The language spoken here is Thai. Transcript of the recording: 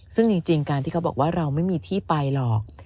ซึ่งจริงการที่เขาบอกว่าเราไม่มีที่ไปหรอก